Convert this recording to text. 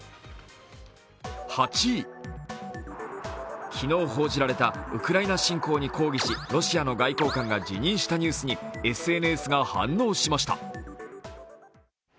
８位、昨日報じられたウクライナ侵攻に抗議し、ロシアの外交官が辞任したニュースにＳＮＳが反応しました。